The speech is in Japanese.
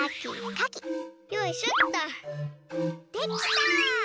できた！